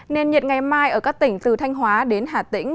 nền nhiệt ngày mai ở các tỉnh từ thanh hóa đến hà tĩnh